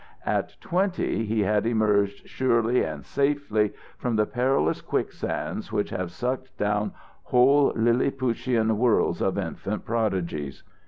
At twenty, he had emerged surely and safely from the perilous quicksands which have sucked down whole Lilliputian worlds of infant prodigies.